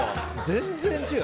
全然違う。